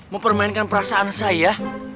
mau permainkan perasaan saya